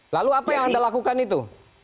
lalu apa yang anda lakukan itu